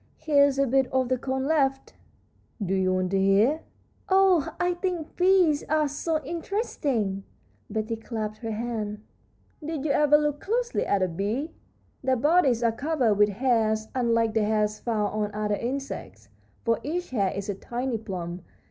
Here's a bit of the cone left." "Do you want to hear?" "Oh, I think bees are so interesting!" Betty clapped her hands. [Illustration: LEAF CUTTER BEE] "Did you ever look closely at a bee? Their bodies are covered with hairs, unlike the hairs found on other insects, for each hair is a tiny plume.